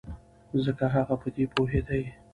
ځکه هغه په دې پوهېږي.